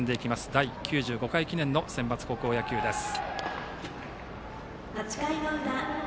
第９５回記念のセンバツ高校野球です。